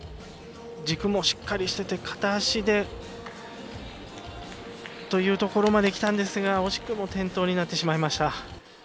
軸もしっかりしていて片足でというところまできたんですが惜しくも転倒になりました。